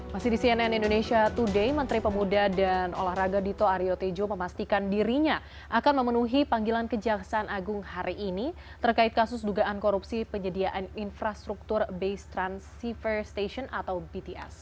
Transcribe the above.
masih di cnn indonesia today menteri pemuda dan olahraga dito aryo tejo memastikan dirinya akan memenuhi panggilan kejaksaan agung hari ini terkait kasus dugaan korupsi penyediaan infrastruktur base transceiver station atau bts